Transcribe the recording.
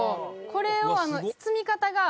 これを包み方が。